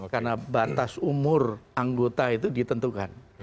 karena batas umur anggota itu ditentukan